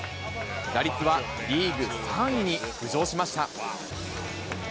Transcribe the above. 打率はリーグ３位に浮上しました。